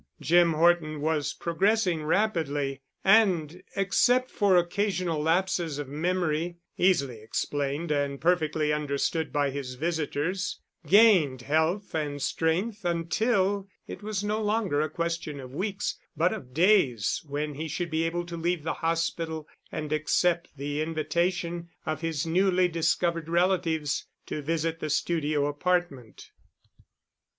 Jim Horton was progressing rapidly and except for occasional lapses of memory, easily explained and perfectly understood by his visitors, gained health and strength until it was no longer a question of weeks but of days when he should be able to leave the hospital and accept the invitation of his newly discovered relatives to visit the studio apartment.